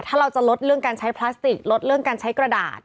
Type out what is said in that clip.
ถ้าเราจะลดเรื่องการใช้พลาสติกลดเรื่องการใช้กระดาษ